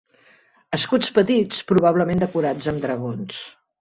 Escuts petits, probablement decorats amb dragons.